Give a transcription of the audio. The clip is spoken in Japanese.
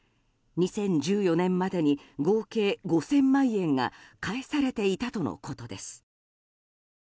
２０１４年までに合計５０００万円が返されていたとのことです。